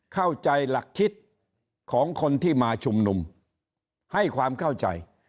เข้าใจหลักคิดของคนที่มาชุมนุมให้ความเข้าใจ